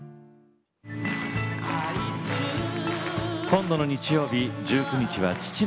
今度の日曜日１９日は父の日。